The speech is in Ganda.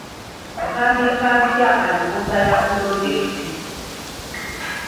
Mpandiika ntya alipoota ya pulojekiti?